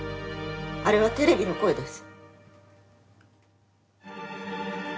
あれはテレビの声です。